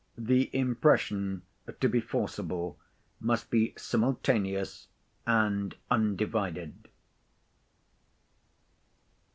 The impression, to be forcible, must be simultaneous and undivided.